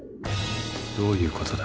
どういうことだ？